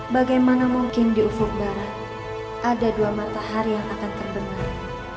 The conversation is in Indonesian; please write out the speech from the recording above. bagaimana mungkin di ufuk barat ada dua matahari yang akan terbenar